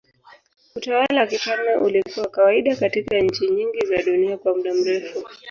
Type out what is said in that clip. Utawala wa kifalme ulikuwa wa kawaida katika nchi nyingi za dunia kwa muda mrefu.